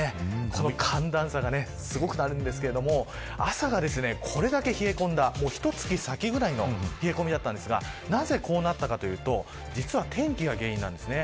この寒暖差がすごくなるんですけど、朝がこれだけ冷え込んだひと月先ぐらいの冷え込みだったんですがなぜ、こうなったかというと実は、天気が原因なんですね。